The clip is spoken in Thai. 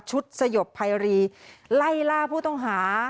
ชุดสโยบไพรีไล่ล่าผู้ต้องหา